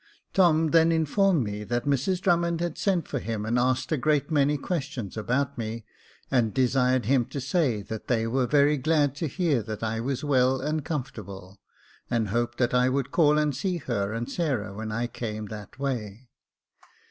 Tom then informed me that Mrs Drummond had sent for him, and asked a great many questions about me, and desired him to say that they were very glad to hear that I was well and comfortable, and hoped that I would call and see her and Sarah when I came that way.